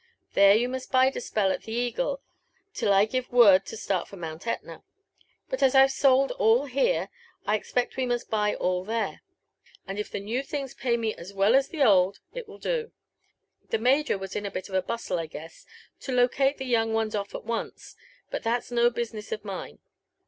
There you must bide a spell at the Eagle, till I give the word to start for Mount Etna. But as I ve sold all here, I expect we must buy all there ; and if the new things pay me as well as the oM, it will do: The Major was in a bit of a bustle, I guess, to locale the young ones off at once ; but that's no business of mine.